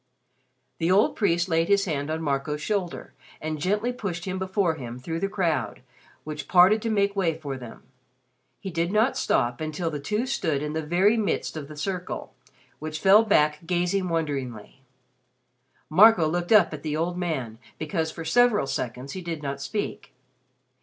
The old priest laid his hand on Marco's shoulder, and gently pushed him before him through the crowd which parted to make way for them. He did not stop until the two stood in the very midst of the circle, which fell back gazing wonderingly. Marco looked up at the old man because for several seconds he did not speak.